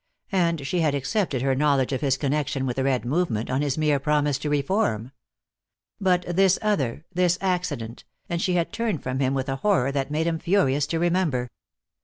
And she had accepted her knowledge of his connection with the Red movement, on his mere promise to reform. But this other, this accident, and she had turned from him with a horror that made him furious to remember.